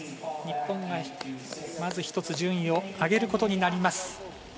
日本が、まず１つ順位を上げることになります。